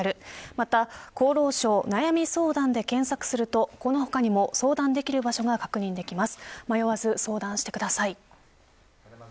また、厚労省悩み相談で検索するとこの他にも相談できる場所が確認できます。